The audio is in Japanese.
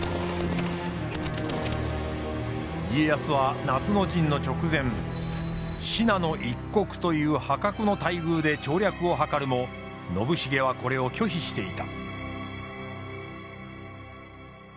家康は夏の陣の直前信濃一国という破格の待遇で調略を図るも信繁はこれを拒否していた。